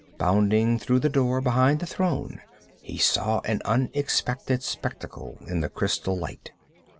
Bounding through the door behind the throne, he saw an unexpected spectacle in the crystal light.